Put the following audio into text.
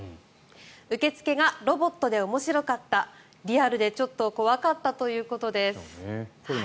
受付がロボットで面白かったリアルでちょっと怖かったということです。